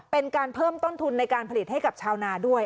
เป็นการเพิ่มต้นทุนในการผลิตให้กับชาวนาด้วย